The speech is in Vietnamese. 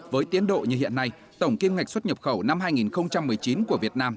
với tiến độ như hiện nay tổng kim ngạch xuất nhập khẩu năm hai nghìn một mươi chín của việt nam